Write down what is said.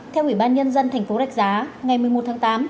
theo ủy ban nhân dân tp hcm ngày một mươi một tháng tám